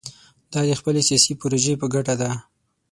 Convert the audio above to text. دا د خپلې سیاسي پروژې په ګټه ده.